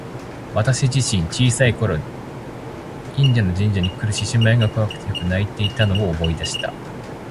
私自身、小さい頃に近所の神社にくる獅子舞が怖くてよく泣いていたのを思い出した。